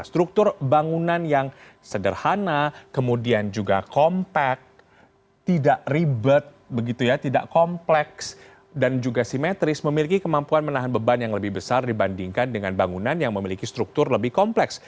struktur bangunan yang sederhana kemudian juga kompak tidak ribet begitu ya tidak kompleks dan juga simetris memiliki kemampuan menahan beban yang lebih besar dibandingkan dengan bangunan yang memiliki struktur lebih kompleks